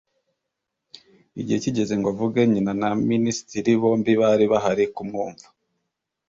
Igihe kigeze ngo avuge, nyina na minisitiri bombi bari bahari kumwumva.